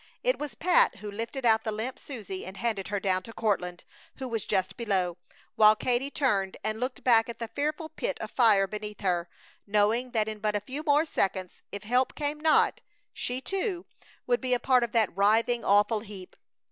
It was Pat who lifted out the limp Susie and handed her down to Courtland, who was just below, while Katie turned and looked back at the fearful pit of fire beneath her, knowing that in but a few more seconds, if help came not, she, too, would be a part of that writhing, awful heap!